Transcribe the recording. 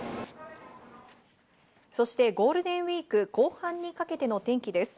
そしてゴールデンウイーク後半にかけての天気です。